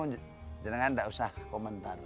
jangan jangan kan enggak usah komentar